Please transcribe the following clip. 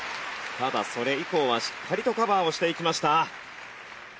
ただそれ以降はしっかりとカバーをしていきました。